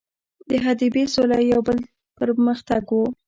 د حدیبې سوله یو بل پر مختګ وو.